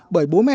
bởi bố mẹ